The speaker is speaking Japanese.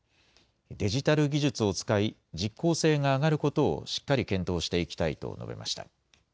デジタル技術を使い、実効性が上がることをしっかり検討していきたいと述べました。